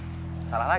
ya gue mau pacaran